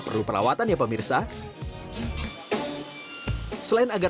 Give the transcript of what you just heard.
perlu perawatan ya pemirsa selain agar